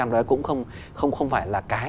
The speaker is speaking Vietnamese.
đó cũng không phải là cái